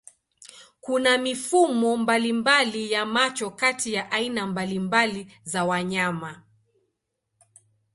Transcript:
Kuna mifumo mbalimbali ya macho kati ya aina mbalimbali za wanyama.